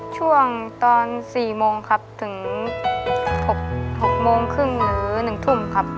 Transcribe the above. ช่วงตอน๔โมงครับถึง๖โมงครึ่งหรือ๑ทุ่มครับ